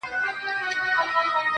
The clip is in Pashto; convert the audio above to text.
دا مي سوگند دی.